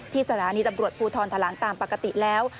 สถานีตำรวจภูทรทะลังตามปกติแล้ว